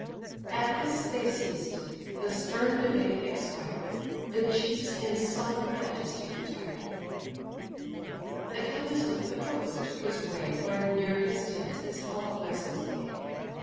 At this they ceased: the stern debate expired: The chiefs in sullen majesty retired. Achilles with Patroclus took his way Where near his tents his hollow vessels lay.